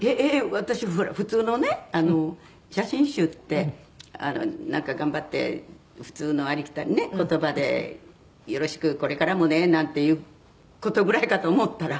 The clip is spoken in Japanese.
私普通のね写真集ってなんか頑張って普通のありきたり言葉で「よろしくこれからもね」なんていう事ぐらいかと思ったら。